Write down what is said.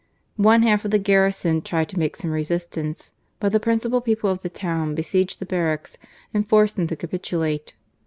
One half of the garrison tried to make some resistance : but the principal people of the town besieged the barracks and forced them ta capitulate.